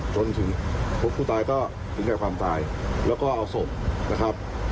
จนถึงพบผู้ตายก็ถึงแก่ความตายแล้วก็เอาศพนะครับ